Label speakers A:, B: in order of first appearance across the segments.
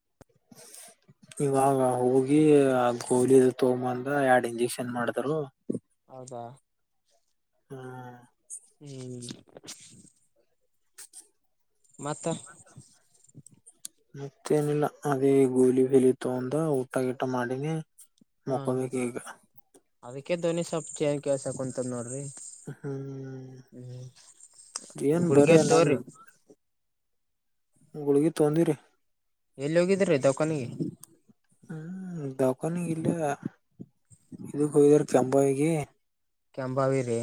A: [unintelligible] ಇವಾಗ ಹೋಗಿ ಗೋಲಿ ತೊಗಂದ ಎರಡು ಇಂಜೆಕ್ಷನ್ ಮಾಡಿದರು.
B: ಹೌದಾ.
A: ಹ್ಮ.
B: ಹ್ಮ್. ಮತ್.
A: ಮತ್ತೇನಿಲ್ಲ ಅದೇ ಗೋಲಿ ಬೆಲಿ ತಗಂದ ಊಟ ಗಿಟ ಮಾಡಿನಿ.
B: ಹ
A: ಮಕ್ಕಬೇಕೇಕಗ.
B: ಅದಕ್ಕೆ ಧ್ನಿ ಸೊಪ್ ಚೇನ್ ಕೆಲ್ಸ ಕುಂತದ್ ನೋಡ್ರಿ.
A: ಹ್ಮ್
B: ಹ
A: ಏನ್
B: ಹುಡ್ಗಿ
A: ಬರೇ
B: ತರಿ.
A: ಹುಳಗಿ ತೊಂದಿರಿ
B: ಎಲ್ಲಿ ಹೋಗಿದ್ರೀ ದಖಾನಿಗೆ.
A: ಕಕನ ಇಲ್ಲ ಇದ ಹೋಗ್ದಾರ ಕೆಂಬಾವಿ.
B: ಕೆಂಂಬಾವಿರಿ.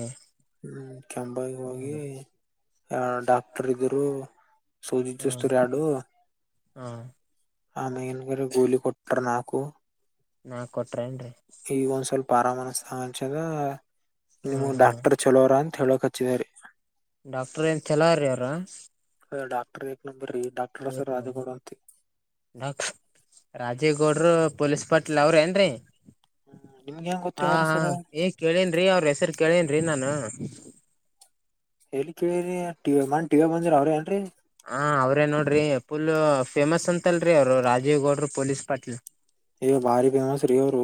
A: ಹ್ಮ್ ಕೆಂಬಾಗಿ ಹೋಗಿ. ಡಾಕ್ಟರ್ ಇದರು
B: ಹ್ಮ್
A: ಸೂಜಿಸ್ತ್ರ ಎರಡು.
B: ಹಾ
A: ಆಮೇಯನ್ಗಾರ ಗೂಲಿ ಕೊಟ್ಟರು ನಕ.
B: ನಾ ಕೊಟ್ಟ.
A: ಈಗ ಒಂದ್ ಸ್ವಲ್ಪ ಆರಾಮನಸ್ತ ಅನ್ಚಂದ
B: ಹ್ಮ್
A: ನಿಮ
B: ಹ್ಮ್
A: ಡಾಕ್ಟರ್ ಚಲೋರ ಅಂತ. ಹೇಳಕ್ ಹಚ್ಚಿದ್ದಾರೆ.
B: ಡಾಕ್ಟರ್ ನ್ಂತಲ ರೀ ಅವ್ರ.
A: ಡಾಕ್ಟರ್ ನಂಬರ ಈ ಡಾಕ್ಟರ ಅ ಸರ್ ರಧೆಗೋಡತಿ.
B: ರಾಜೀವ್ ಗೌಡರು ಪೊಲೀಸ್ ಪಾಟ್ಲ್ ಅವ್ರ ಏನ್ರೀ.
A: ನಿಮ್ಗೆ ಹೆಂಗ್ ಗೊತ್ತ್ರಿ
B: ಹಾ
A: ಅವ್ರ
B: ಹ
A: ಸರ
B: ಏ ಕೇಳೇನ್ಿ ಅವ್ರ ಹೆಸರು ಕೇಳೇನ್ಿ ನಾನು.
A: ಹೇಳಿ ಕೇಳಿರಿ ಟಿವ ಮನ್ ಟಿವ ಬಂದಿರ ಅವ್ರರಿ ಏನ್ರರಿ.
B: ಹ ಅವ್ರೇ ನೋಡ್ರಿ ಪುಲ್ ಫೇಮಸ್ ಅಂತಲ್ರಿ ಅವ್ರು ರಾಜೀವ್ ಗೌಡರು ಪೊಲೀಸ್ ಪಾಟ್ಲ್.
A: ಈಗ ಭಾರಿ ಫೇಮಸ್ ರೀ ಅವರು.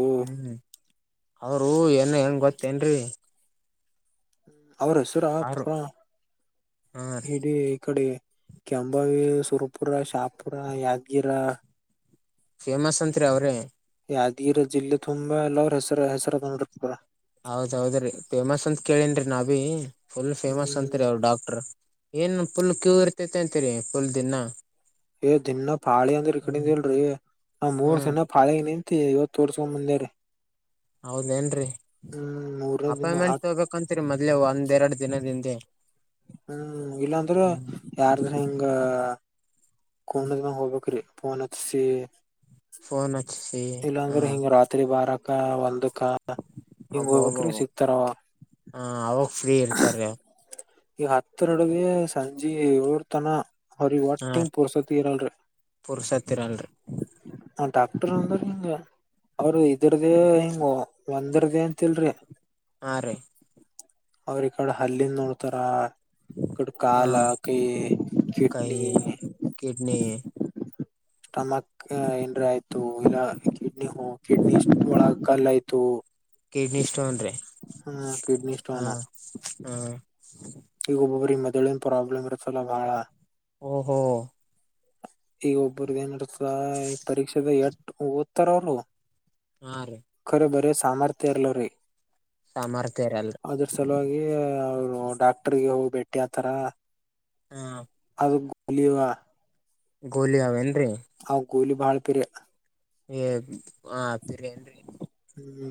B: ಅವ್ರೂ ಏನ್ ಹೆಂಗ ಗೊತ್ತೇನ್ರರಿ.
A: ಅವ್ರ ಹೆಸಿರ
B: ಅವರು
A: ಪ
B: ಹ
A: ಇಡೀ ಈ ಕಡೆ. ಕೆಂಬಾವಿ ಸುರಪುರ ಶಾಪುರ ಯಾದಗಿರ.
B: ಫೇಮಸ್ ಅಂತ್ರಿ ಅವ್ರೆ.
A: ಯಿರ ಜಿಲ್ಲೆ ತುಂಬಾ ಎಲ್ಲ ಅವ್ರ ಹೆಸರ ಹೆಸರ ತಂದ್ರ.
B: ಹೌದ್ೌದ್ರೀ ಫೇಮಸ್ ಅಂತ ಕೇಳನ್ರಿ ನಾ ಭಿ ಫುಲ್ ಫೇಮಸ್
A: ಹ್ಮ್
B: ಅತ್ರಿ ಅವರು ಡಾಕ್ಟರ್. ಏನ್ ಪುಲ್ ಕ್ಯೂ ಇರ್ತೈತೆ ಅಂತರಿ ಪಫುಲ್ ದಿನಾ.
A: ಏ ದಿನ ಪಾಳೆ ಅಂದ್ರ ಈ ಕಡಿಂದ ಇಲ್ರರಿ ನಾ್ ಮೂರ್ ದಿನ ಪಾಳೆ ನಿ. ಮ ಇವತ್ತು ತೋರ್ಸಕೊಂಡ ಮುಂದ ರ.
B: ಹೌದೇಏನ್ರರಿ
A: ಮೂರನೇ ದಿನ ಆ
B: ಅಪಾಯಿಂ್ಮೆಂಟ್ ತಗಬೇಕಂತರಿ ಮೊದ್ೇ ಒಂದ್ ಎರಡ್ ದಿನದಿಂದ.
A: ಹ್ಮ್ ಇಲ್ಲಾಂದ್ರ ಯಾರದ್ರ ಹಿಂಗ. ಕ ಹೋಗಬೇಕ್ರೀ ಪನ್ ಸಿ.
B: ಫೋನ್ ಅಚ್.
A: ಇಲ್ಲಾಂದ್ರೆ ಹಿಂಗ ರಾತ್ರಿ ಬಾರಕ ಒಂದ. ಹಿಂಗ
B: ಒಬ್ಬೊಬ್ಬ
A: ಬಕರುೂ [unintelligible] ಸಿಕ್ತಾರವ
B: ಹ ಅವಾಗ ಫ್ರೀ ಇರ್ತಾರೆ
A: ಈಗ ಹತ್ತ ನಡಗೆ ಸಂಜೆ ಏರ್ತನ ಅವರಿ
B: ಹಾ
A: ಒಟಿಮ ಪುರ್ಸತಿ ಇರಳ
B: ಪುರ್ಸತ್ ಇರಲ್ರಿ
A: ಡಾಕ್ಟರ್ ಅಂದ್ರ ಹಿಂಗ ಅವರು ಇದ್ರದ ಹಿಂಗ ಒಂದರ್ದೇ ಅಂತಲ್ರಿ
B: ಹಾ ರೀ
A: ಅವ್ರ ಈ ಕಡೆ ಹಲ್ಲಿಂದ ನೋಡ್ತಾರ
B: ಹಾ
A: ಕಾಲ ಕೈ
B: ಕೈ
A: ಕಿಡ್ನಿ
B: ಕಿಡ್ನಿ
A: ಸ್ಟಮಕ್ ಇಂಡ್ರಿ ಆಯ್ತು ಇಲ್ಲ ಕಿಡ್ನಿ ಹ ಕಿಡ್ನಿ ಇಷ್ಟ ಒಳಗ ಕಲ್ ಆಯ್ತು [unintelligible]
B: ಕಿಡ್ನಿ ಸ್ಟೋನ್ ರೀ
A: ಹಾ ಕಿಡ್ನಿ
B: ಹಾ
A: ಸ್ಟೋನ್
B: ಹ
A: ಈಗ ಒಬೊಬ್ಬ್ರೀ ಮೊದ್ಲನ್ ಪ್ರಾಬ್ಲಮ್ ಇರತ್ತಲ್ಲ ಬಾಳ
B: ಓಹೋ
A: ಈಗ ಒಬ್ಬರ್್ದ [unintelligible] ಏನ್ ನಡ್ತ ಈ ಪರೀಕ್ಷೆದ ಎಟ್ ಓದ್ತಾರ ಅವರು
B: ಹಾ ರೀ
A: ರ ಬರೇ ಸಾಮಾರ್ ತರಲ [unintelligible] ರೇ
B: ಸಾಮರ್ಥ್ಯ ಇರಲ್ರಿ
A: ಲ ಅವರು ಡಾಕ್ಟರ್ಗೆ ಹೋಗಿಬೇಟ್ಟಿ ಆತರ
B: ಹ್ಮ
A: ಗಲಿಯ [unintelligible]
B: ಗೋಲಿ ಅವಾವೆಂದ್ರೆ
A: ಕೂಲಿ ಬಾಳಪ್ರಿಯೆ
B: ಏ ಹ ಆತೀರಿ ಏನ್ರಿ [unintelligible]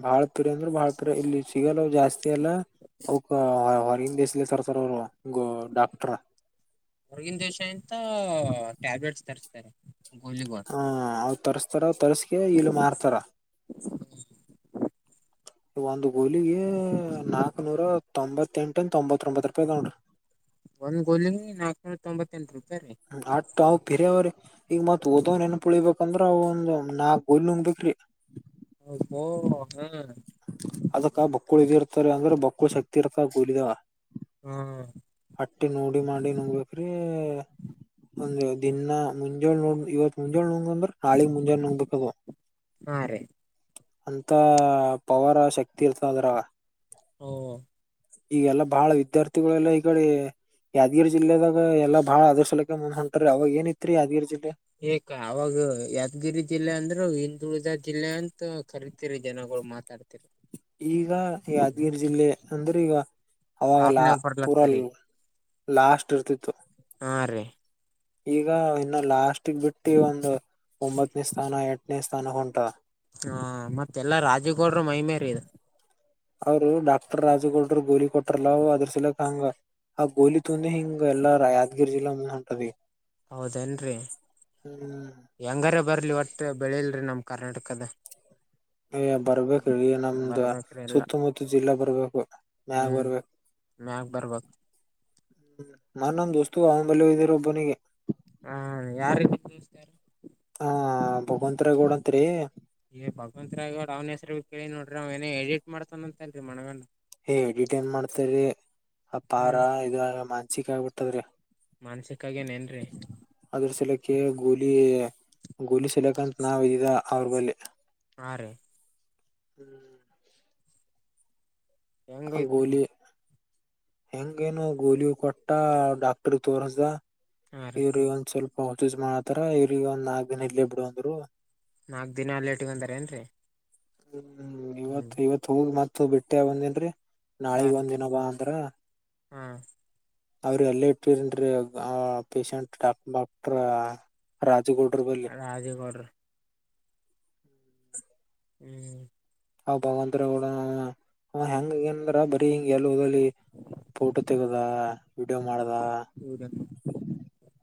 A: ಬಾಳ್ ಪೀರಿ ಅಂದ್ರೆ ಬಾಳ್ ಪೀರಿ ಇಲ್ಲಿ ಸಿಗಲ್ಲ ಜಾಸ್ತಿ ಅಲ್ಲ ಅವ ಹೊರಗಿನ್ ದೇಶದಿಂದ ತರ್ತರೆ ಗ ಡಾಕ್ಟರ್
B: ಹೊರಗಿನ ದೇಶ ಎಂತ ಟ್ಯಾಬ್ಲೆಟ್ಸ್ ತರಿಸಸ್ತಾರೆ ಗೋಲಿಗೋ
A: ಹ ಅವ್ ತರ್ಸ್ತಾರ ತರ್ಸ್ಕ ಇಲ್ಲ ಮಾರ್ತಾರ ಒಂದು ಗೋಲಿಗೆ ನಾಕ್ನೂರ ತೊಂಬತ್ತೆಂಟಂದ ತೊಂಬತ್ಬತ್ ರೂಪಾಯಿ ತಗೊಂಡಿ
B: ಒಂದ ಗೋಲಿಗೆ ನಾಲ್ಕನೂರ ತೊಂಬತ್ತೆಂಟು ರಾಯಿ
A: ಆ [unintelligible] ಬೇರ ಅವ್ರಿ ಈಗ ಮತ್ ಓದವನ್ ಏನ್ ಪುಳಿಬೇಕಂದ್ರ ಅವ ಒಂದ್ ನಾಯ್ಲ್ ನುಂಗ್ಬೇಕಿ [unintelligible]
B: ಹ ಹಾ [inaudible]
A: ಅದುಕ್ಕೋ ಬೊಕ್ಕುಳಿ ಬ ಇದ ಇರ್ತಾರೆ ಅಂದ್ರೆ ಬೊಕ್ಕುಳಿ ಶಕ್ತಿ ಇರ್ತ ಗೂಲಿದಾವ
B: ಹ್ಮ್
A: ಡಿ ಮಾಡಿ ನೋಬೇಕ್ರಿ ಒಂದ ದಿನ ಮುಂಜಾಳು ನೋ ಇವತ್ ಮುಂಜಾಳು ನೋಂಗ ಅಂದ್ರ ನಾಳಿಗ್ ಮುಂಜಾನಳೆ ನೋಗ್ಬೇಕದು
B: ಹ ರೀ
A: ಅಂತ ಪವರ್ ಶಕ್ತಿ ಇರ್ತ ಅದ್ರ
B: ಹ್ಮ
A: ಈಗೆಲ್ಲ ಬಹಳ ವಿದ್ಯಾರ್ಥಿಗಳೆಲ್ಲ ಈಗಡೆ ಯಾದಗಿರಿ ಜಿಲ್ಲೆದಾಗ ಎಲ್ಲಾ ಬಾಳ ಆದರ್ಶಲಕ್ಕೆ ಮಂದ ಹೊಂಟ್ರ ಅವಾಗ ಏನಿತ್ರಿ ಯಾದಗಿರಿ ಜಿಲ್ಲೆ
B: ಏಕ ಅವಾಗ ಯಾದಗಿರಿ ಜಿಲ್ಲೆ ಅಂದ್ರೆ ಹಿಂದುಳಿದ ಜಿಲ್ಲೆ ಅಂತ ಕರತ
A: ಈಗ ಯಾದಗಿರಿ ಜಿಲ್ಲೆ ಅಂದ್ರೆ ಈಗ ಅವಾಗ ಲಾ
B: ಟಾಪ್ನಾಗ
A: ಪೂರ
B: ಬರ್ಲತ್ತರಿ
A: ಲಾಸ್ಟ್ ಇರ್ತಿತ್ತು
B: ಹಾ ರೀ
A: ಈಗ ಇನ್ನ ಲಾಸ್ಟಗ್ ಬಿಟ್ಟಿ ಒಂದು ಒಂಬತ್ತನೇ ಸ್ಥಾನ ಎಂಟನೇ ಸ್ಥಾನ ಹೊಂಟ
B: ಹಾ ಮತ್ತೆಲ್ಲ ರಾಜುಗೌಡರು ಮೈಮೇರಿ ಇದು
A: ಅವರು ಡಾಕ್ಟರ್ ರಾಜುಗೌಡರು ಗೋಲಿ ಕೊಟ್ರಲ ಅದ್ರ ಸಲಕ್ ಹಂಗ ಆ ಗೋಲಿ ತುಂದಿ ಹಿಂಗ ಎಲ್ಲಾ ಯಾದಗಿರಿ ಜಿಲ್ಲಾ ಹೊಂಟದ [unintelligible]
B: ಹೌದೇನ್ರಿ ಹೆಂಗಾರ ಬರ್ಲಿ ಒಟ್ಟೆ ಬೆಳಿಲ್ರಿ ನಮ್ ಕರ್ನಾಟಕದ
A: ಈ ಬರ್ಬೇಕ್ರ ಈ
B: ಹ್ಮ್
A: ನಮ್ದ
B: ಬರ್ಬೇಕ್ರಿ ಎಲ್ಲ
A: ಸುತ್ತಮುತ್ತ ಜಿಲ್ಲಾ ಬರ್ಬೇಕು ಮ್ಯಾಗ ಬರ್ಬೇಕು
B: ಮ್ಯಾಪ್ ಬರಬೇಕು
A: ನ ನಮ್ ದೋಸ್ತು ಅವಂಬಲ್ಲ ಹೊಬಿರ ಒಬ್ಬನಿಗೆ
B: ಹಾ ಯಾರ [unintelligible]
A: ಹಾ ಭಗವಂತ ರ ಗೋಡಂತ್ರಿ.
B: ಈ ಭಗವಂತರ ಗೋಡ್ರ ಅವ್ನ ಹೆಸರ ಕೇಳಿ ನೋಡ್ರಿ ಅವ್ ಏನ ಎಡಿಟ್ ಮಾಡ್ತಾನ ಅಂತ ಅಲ್ರಿ ಮನಗಂಡ
A: ಏ ಎಡಿಟ್ ಏನ್ ಮಾಡ್ತಾರಿ ಅ ಪಾರ
B: ಹ್ಮ್
A: ಇದ್ರ ಮಾನಸಿಕ ಆಗ್ಬಿಟ್ಟದ್ರಿ.
B: ಮಾನಸಿಕ ಆಗ್ಯಾನ ಏನ್ರಿ.
A: ಕ ಗೋಲಿ ಗುಲಿ ಸಲಕಂತ ನಾವ ಇದಿದ ಅವ್ರ ಬಲ್ಲಿ
B: ಹಾರಿ.
A: ಹ್ಮ.
B: ಹೆಂಗೈತಿ.
A: ಗೋಲಿ ಹೆಂಗೇನು ಗೋಲಿ ಕೊಟ್ಟ ಡಾಕ್ಟ್ರ ತೋರ್ಸ್ದ.
B: ಹಾ ರೀ
A: ಇವ್ರಿಗ ಒಂದ್ ಸ್ವಲ್ಪ ಪರ್ಚೆಸ್ ಮಾಡತಾರ ಇವ್ರಿಗ ಒಂದ್ ನಾಲ್ಕ್ ದಿನ ಇಲ್ಲೇ ಬಿಡು ಅಂದ್ರು.
B: ನಾಕ್ ದಿನ ಅಲ್ಲೇ ಇಟ್ಕೊತಾರ ಏನ್ರರಿ.
A: ಹ್ಮ ಇವತ್ ಇವತ್ ಹೋಗಿ ಮತ್ತ ಬಿಟ್ಟಿ ಆಗಿ ಬಂದೇನ್ರಿ
B: ಹಾ
A: ನಾಳಿಗ್
B: ರೀ
A: ಒಂದಿನ ಬಾ ರಾ
B: ಹಾ
A: ಅವ್ರಿ ಎಲ್ಲ ಇಟ್ಟರನ್ರಿ ಆ ಪೇಶಂಟ್ ಡಾಕ್ ಡಾಕ್ಟರ್. ರಾಜುಗೌಡ್ರ ಬಲ್ಲಿ
B: ರಾಜಿ ಗೋದ್ರಿ ಹ್ಮ.
A: ಹೌ ಭಗವಂತರ ಗಡ ಆವಾ ಆಗ್ಯಾನ ಅಂದ್ರ ಬರಿ ಹಿಂಗ ಎಲ್ಲ ಹೋದಲ್ಲಿ ಫೋಟೋ ತೆಗದ ವಿಡಿಯೋ ಮಾಡ್ದ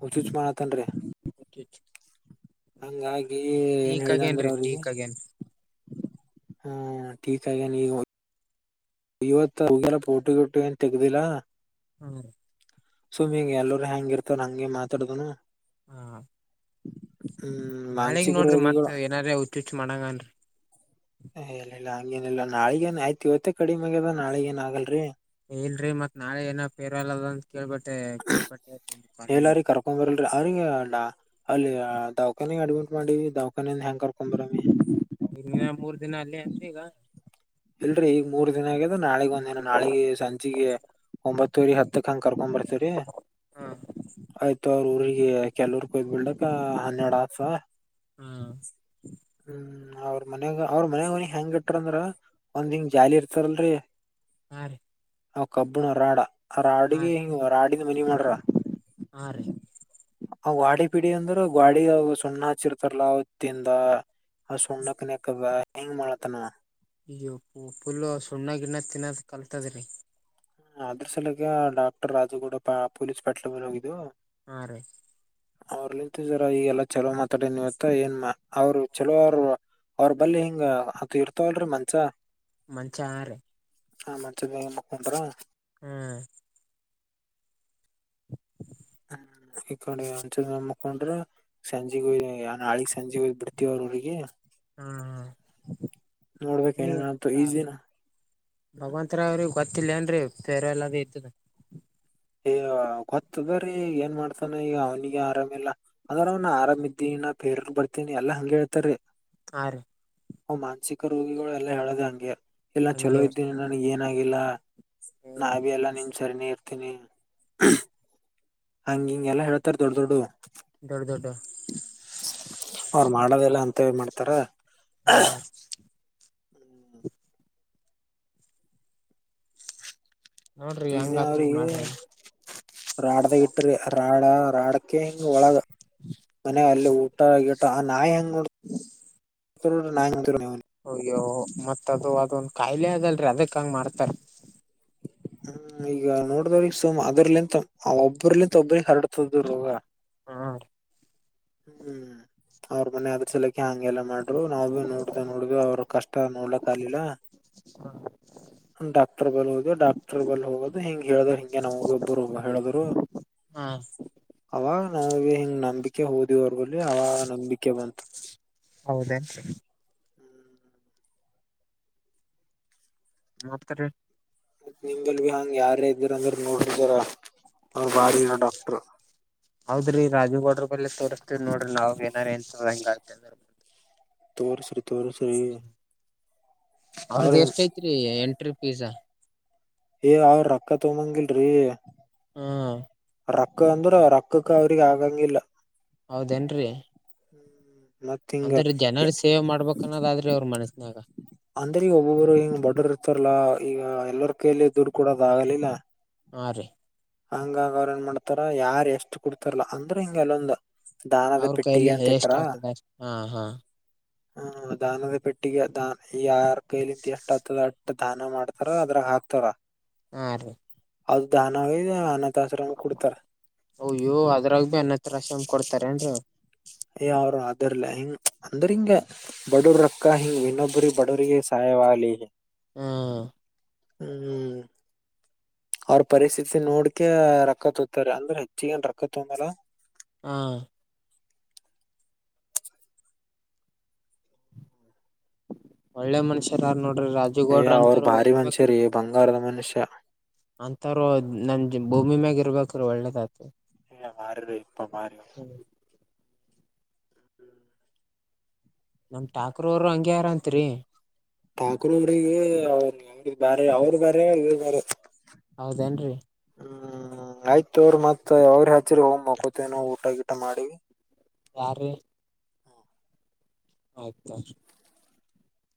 A: ಹುಚುಚು ಮಾಡತನ್ರಿ.
B: [inaudible]
A: ಹಂಗಾಗಿ ಏನ್
B: ಟೀಕ್
A: ಹೇಳಿದ ಅಂದ್ರ
B: ಆಗೇನ್ರಿ
A: ಅವ್ರಿಗಿ
B: ಟೀಕ್ ಆಗೇನ್
A: ಹಾ ಟಿಕ್ ಆಗ್ಯಾನ ಈಗ ವ ಇವತ್ತ ಹೋಗ್ಯಾರ ಫೋಟೋ ಗಿಟೊ ಏನ್ ತಗ್ದಿಲ್ಲಾ.
B: ಹ್ಮ.
A: ಸುಮ್ಮಿ ಈಗ ಎಲ್ಲರು ಹೆಂಗ ಇರ್ತಾನ ಹಂಗೆ ಮಾತಾಡದನು.
B: ಹಾ
A: ಹ್ಮ
B: ನಾಳಿಗ್
A: ಮಾನಸಿಕ
B: ನೋಡ್ರಿ ಮತ್
A: ರೋಗಿಗಳು.
B: ಏನಾರೇ ಹುಚ್ಚುಚ್ ಮಾಡಂಗನ್ರಿ
A: ಎ ಇಲ್ಲ ಇಲ್ಲ ಹಂಗೇನಿಲ್ಲಾ ನಾಳಗೇನ ಹಾಕಿ ಇವತ್ತ ಕಡಿಮೆ ಆಗೇದ ರೀ ನಾಳಗ ಏನ್ ಆಗಲ್ರರಿ.
B: ಇಲ್ರರಿ ಮತ್ ನಾಳೆ ಏನ ಫೇರವಲ ಅದ ಅಂತ ಕೇಳ್ಬಟ್ಟೆ ಕೇಳ್ಪಟ್ಟಲ.
A: ಅ ಅ್ಣ ಅಲ್ಲಿ ದವಾಖಾನಗ ಅಡ್ಮಿಟ್ ಮಾಡಿವಿ ದವಾಖಾನಿಂದ ಹೆಂಗ ಕರ್ಕೊಂಡಬರಾಮಿ.
B: ಈಗೇನ್ ಮೂರ್ ದಿನ ಅಲ್ಲಿ ಇರ್ತಿ ಈಗ.
A: ಇಲ್ರರಿ ಈಗ ಮೂರ್ ದಿನ ಆಗ್ಯದ ನಾಳಿಗ ಒಂದ ದಿನ ನಾಳಿಗೆ ಸಂಜೆಗ ಒಂಬತ್ತೂರಿ ಹತ್ತಕ್ಕಂ ಕರ್ಕೊಂಬರ್ತರೀ
B: ಹಾ
A: ಆಯ್ತ. ಅವ್ರ ಊರಿಗಿ ಕೆಲವರ ಕುಯ್ ಬಿಡಲಕ್ಕ ಹನ್ನೆರಡ ಆಯ್ತ.
B: ಹಾ
A: ಹ್ಮ ಅವ್ರ ಮನ್ಯಾಗ ಅವ್ರ ಮನ್ಯಾಗ ಹೆಂಗ ಇಟ್ರಂದ್ರ ಒಂದ್ ಹಿಂಗ ಜಾಲಿ ಇರ್ತರಲ್ರಿ.
B: ಹ್ಮ.
A: ಅ ಕಬ್ಬಣ ರಾಡ ಆ ರಾಡಿಗ ಹಂಗ ರಾಡಿನ ಮನ ಮಾಡ್ರ.
B: ಹಾ ರೀ.
A: ಆ ವಾಡಿ ಪಿಡಿ ಅಂದ್ರ ಗೋಡಿಗ ಆವಾ ಸುಣ್ಣ ಹಚ್ಚಿರ್ತಾರಲ್ಲ ಅವತ್ತಿಂದ ಆ ಸುಣ್ಣ ಕಾಣೆಕಬ ಹೆಂಗ ಮಾಡತನ.
B: ಈಗ ಉ ಪುಲ್ಲ ಸುಣ್ಣ ಗಿಣ್ಣ ತಿನ್ನದ ಕಲ್ತದ್ರಿ.
A: ಹ ಅದ್ರ ಸಲಗ ಡಾಕ್ಟರ್ ರಾಜುಗೌಡ ಪೊಲೀಸ್ ಪಟ್ಲ ಮೆಲ್ ಹೋಗಿದ್ದು.
B: ಹಾರಿ.
A: ಅವ್ರ ನಿಂತಿದರ ಈಗೆಲ್ಲ ಚಲೋ ಮಾತಾಡ ಇವತ್ತ ಏನ್ ಅವ್ರು ಚಲೋ ಅವ್ರ ಬಲ್ಲಿ ಹಿಂಗ ಅದ ಇರ್ತವಲ್ರರಿ ಮಂಚ.
B: ಮಂಚ ರೀ.
A: ಹ ಮಂಚೆಮ್ಮಕ್ಕೊಂಡ್ರ
B: ಹ್ಮ್
A: ಹ್ಮ್ ಈ ಕಡೆ ಒಂಸ ನ ಮುಕೊಂಡ್ರ ಸಂಜೆ ಹಯಿ ನಾಳಿ ಸಂಜೆ ಹೋಗ್ ಬಿಡ್ತವ್ರ ಊರಗೆ
B: ಹ್ಮ
A: ನೋಡ್ಬೇಕ್ ಏನೇನ್ ಆತೋ
B: ಹಾ
A: ಈಜ್ ದಿನ ಹ್ಮ್,
B: ಭಗವಂತರಾವ್ ಅವರಿಗೆ ಗೊತ್ತಿಲ್ಲೇಏನ್ರರಿ ಫೇರ್ ಲವಲ್ಲಿದ ಇದ್ದದ
A: ಗೊತ್ತ ಅದರೀ ಏನ್ ಮಾಡ್ತಾನ ಈಗ ಅವ್ನಿಗೆ ಆರಾಮಿಲ್ಲ ಆದ್ರ ಅವ್ನು ಆರಾಮ ಇದೀನ ಬೇರ ಬರ್ತೀನಿ ಎಲ್ಲ ಹಂಗ ಹೇಳ್ತಾರೆ
B: ಆ
A: ಅವ ಮಾನಸಿಕ ರೋಗಿಗಳುಲ್ಲಾ ಹೇಳದ ಹಂಗೆ ಇಲ್ಲ ಚಲೋ
B: ಹಂಗೆ
A: ಇದ್ದೇನಿ ನನಗ ಏನಾಗಿಲ್ಲ ನಾ
B: ಹ್ಮ್
A: ಬಿ ಎಲ್ಲ ನಿಮ್ ಸರಿನೇ ಇರ್ತೀನಿ ಹಂಗ ಹಿಂಗೆ ಎಲ್ಲಾ ಹೇಳ್ತಾರೆ ದೊಡ್ಡ ದೊಡ್ಡು
B: ದೊಡ್ಡ ದೊಡ್ಡವು
A: ಅವರು ಮಾಡದೇಲ್ಲ ಅಂತವೇ ಮಾಡ್ತಾರ
B: ಹಾ
A: ಹ್ಮ್
B: ನೋಡ್ರಿ
A: ಈಸ್
B: ಹೆಂಗ
A: ದೀನ
B: ಆತದ
A: ಅವನೀಗೆ
B: ಮಾಡ್ರಿ
A: ರಾಡದ ಇಟ್ರಿ ರಾಡ ರಾಡಕ ಹಿಂಗ ಒಳಗ ಮನ ಅಲ್ಲಿ ಊಟ ಗಿಟ್ಟ ಆ ನಾಯಿ ಹೆಂಗ ನಾಯಿ ಹ
B: ಅಯ್ಯೋ ಮತ್ತ ಅದು ಅದೊಂದ ಕಾಯಿಲೆ ಆದಲ್ರರಿ ಅದಕ್ಕ ಹಂಗ ಮಾಡತಾರ್
A: ಹ್ಮ್ ಈಗ ನೋಡ್ದ್ರೀಗ ಸುಮ್ ಅದರ್ಲೆಂತ ಆ ಒಬ್ರಲಿಂತ ಒಬ್ಬ್ರಿಗೆ ಹರಡ್ತದ ರೋಗಾ
B: ಹಾ
A: ಹ್ಮ್ ಅವ್ರ ಮನೆ ಆದ್ರ ಸಲ ಹಂಗೆಲ್ಲ ಮಾಡ್ರು ನಾವ್ ಭಿ ನೋಡ್ದ ನೋಡ್ದ ಅವ್ರ ಕಷ್ಟ ನೋಡ್ಲಕ್ ಆಗ್ಲಿಲ್ಲ ಡಾಕ್ಟರ್ ಬಲ್ ಹೋದೆ ಡಾಕ್ಟರ್ ಬಲ್ ಹೋಗೋದು ಹಿಂಗಗೆ ಹೇಳ್ದ ಹಿಂಗೆ ನಮ್ಗ ಒಬ್ರು ಹೇಳಿದ್ರು
B: ಹಾ
A: ಅವಾಗ ನಾವಗೆ ಹಿಂಗ್ ನಂಬಿಕೆ ಹೋದಿವ ಅವರಬಲ್ಲಿ ಅವಾಗ ನಂಬಿಕೆ ಬಂತು
B: ಹೌದೇನ್ರಿ ಮತ್ತರೀ
A: ಮತ್ ನಿಮ್ದಲ್ ಭ ಹಾಂಗ ಯಾರೇ ಇದ್ದೀರ ಅಂದ್ರ ನೋಡ್ರಿ ಜರಾ ಅದಾರ ಅವರ ಬಾರಿನ ಡಾಕ್ಟರ್
B: ಹೌದ್ರಿ ರಾಜುಗೌಡ್ರ ಬಲ್ಲೇ ತೋರಿಸಸ್ತೀವಿ ನೋಡ್ರಿ ನಾವ್ ಏನಾರ ಎನ್ಂತ ಹೆಂಗ ಆತ ಅಂದ
A: ತೋರಸರಿ ತೋರಸರಿ
B: ಅವ್ರದ ಎಷ್ಟ ಐತ್ರಿ ಎಂಟ್ರಿ ಪೀಸಾ
A: ಏ ಅವ್ರ ರೊಕ್ಕ ತೊಮ್ಮಂಗಿಲ್ರರಿ
B: ಹ್ಮ
A: ರೊಕ್ಕ ಅಂದ್ರ ರೊಕ್ಕಕ್ಕ ಅವ್ರಿಗೆ ಆಗಂಗಿಲ್ಲ
B: ಹೌಧನ್ರೆ
A: ಹ್ಮ್
B: ಅಂದ್ರ ಜನರ ಸೇವೆ ಮಾಡ್ಬೇಕಕ್ ಅನ್ನೋದಾದ್ರಿ ಅವ್ರ ಮನಸ್ಸನಾಗ
A: ಅಂದ್ರೆ ಈಗ ಒಬ್ಬೊಬ್ರು ಹಿಂಗ್ ಬಡ್ಡೋರ್ ಇರ್ತಾರಲ್ಲಾ ಈಗ ಎಲ್ಲರ ಕೈಲಿ ದುಡ್ಡು ಕೊಡೋದ ಆಗಲಿಲ್ಲ
B: [unintelligible]
A: ಹಂಗಂಗ ಅವ್ರ ಏನ್ ಮಾಡ್ತಾರ ಯಾರ್ ಎಷ್ಟ್ ಕುಡ್ತಾರಲ್ಲ ಅಂದ್ರ ಹಿಂಗೆಲ್ಲೊಂದ ದಾನದ
B: ಅವ್ರ
A: ಪೆಟ್ಟಿಗೆ
B: ಕೈಲಿ
A: ಅಂತ
B: ಎಷ್ಟ
A: ಇಟ್ರ.
B: ಆಗ್ತದ ಹಾ ಹಾ
A: ಹ್ಮ ದಾನದ ಪೆಟ್ಟಿಗೆ ದ ಈ ಆರ ಕೈಲಿಂತ ಎಷ್ಟಾದ ದಾನ ಮಾಡ್ತಾರ ಅದ್ರಾಗ ಹಾಕ್ತಾರ
B: ಹಾರೀ
A: ಅದ ದಾನ ಹಾನ
B: ಅಯ್ಯೋ ಅದ್ರಾಗ ಭ ಎನ್ನತ್ರ ರಾಶ ಕೊಡ್ತಾರೆ ಅನ್
A: ಯ ಅವರು ಅದರ್ಲ ಹಿಂಗ ಅಂದ್ರ ಹಿಂಗ ಬಡವ್ರಕ್ಕ ಹಿಂಗ್ ಇನ್ನೊಬ್ರ ಬಡವ್ರಿಗೆ ಸಾಯ ವಿ [unintelligible]
B: ಹ್ಮ್ಮ್
A: ಹ್ಮ್ ಅವ್ರ ಪರಿಸ್ಥಿತಿ ನೋಡ್ಕೆ ರೊಕ್ಕ ತೋತ್ತಾರೆ ಅಂದ್ರ ಹೆಚ್ಚಿಗೆನ್ ರೊಕ್ಕ ತೋಮಲ.
B: ಹಾ ಒಳ್ಳೆ ಮನುಷ್ಯರ ಹಾರ್ ನೋಡ. ರಾಜುಗೌಡ್ರ
A: ಅಯ್ಯ ಅವ್ರ
B: ಅಂತಾರ
A: ಭಾರಿ ಮನುಷ್ಯ
B: ಇರ್ಬೇಕ್ರೀ
A: ರೀ ಬಂಗಾರದ ಮನುಷ್ಯ
B: ಅಂತಾರೋ ಭೂಮಿ ಮ್ಯಾಗ ಇರ್ಬೇಕ್ರೀ ಒಳ್ಳೆದ ಆತದ.
A: [unintelligible] ಮಾರೀರಿಪ್ಪ ಮಾಾರ [unintelligible]
B: ನಮ್ ಠಾಕ್ರೂ ಅವ್ರು ಹಂಗೆ ಹರ ಅಂತ್ರಿ..
A: ಠಾಕ್ರೂ ಅವ್ರಿಗಿ [unintelligible] ಬ್ಯಾರೆ ಅವ್ರು ಬ್ಯಾರೆ ಇವ್ರು ಬ್ಯಾರೆ.
B: ಹೌದೇನ್ರಿ
A: ಹ್ಮ್ ಆಯ್ತ ತೋರಿ ಮತ್ ಯವಗರೆ ಹಚ್ಚರಿ ಹೋಗ್ ಮಕೋತೆನಾ ಊಟ ಗೀಟ ಮಾಡಿ.
B: ಯಾರೀ. ಆಯ್ತ ತೋರಿ.